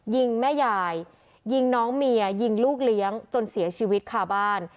ยิงแม่ยายยิงน้องเมียยิงลูกเลี้ยงจนเสียชีวิตคาบ้าน